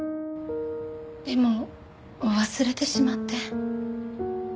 でも忘れてしまって。